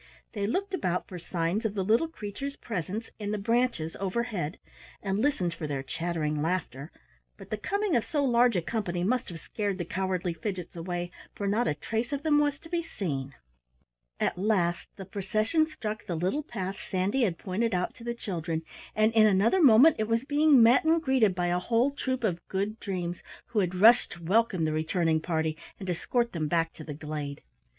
They looked about for signs of the little creatures' presence in the branches overhead, and listened for their chattering laughter, but the coming of so large a company must have scared the cowardly Fidgets away, for not a trace of them was to be seen. At last the procession struck the little path Sandy had pointed out to the children, and in another moment it was being met and greeted by a whole troop of Good Dreams who had rushed to welcome the returning party and escort them back to the glade.